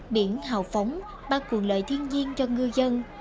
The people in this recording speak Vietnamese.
biển hào phóng bắt cuồng lợi thiên nhiên cho ngư dân